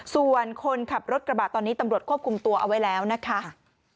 ส่วนคนขับรถกระบะตอนนี้ตำรวจควบคุมตัวเอาไว้แล้วนะคะ